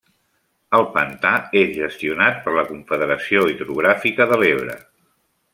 El pantà és gestionat per la Confederació Hidrogràfica de l'Ebre.